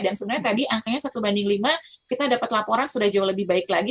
dan sebenarnya tadi angkanya satu banding lima kita dapat laporan sudah jauh lebih baik lagi